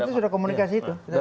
dan kita sudah komunikasi itu